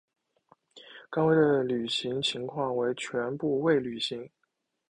甘薇的履行情况为全部未履行。